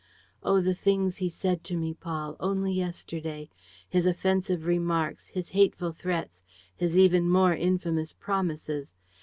Oh, the things he said to me, Paul, only yesterday: his offensive remarks, his hateful threats, his even more infamous promises